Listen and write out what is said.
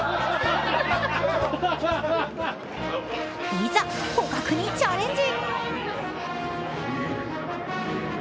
いざ、捕獲にチャレンジ。